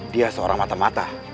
dia seorang mata mata